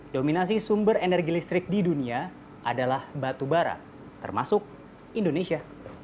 dominasi sumber energi listrik di dunia adalah batu bara termasuk indonesia